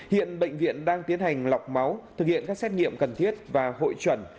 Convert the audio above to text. hiện bệnh viện đang tiến hành lọc máu thực hiện các xét nghiệm cần thiết và hội chuẩn